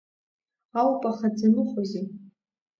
Ауп аха, дзамыхәозеи?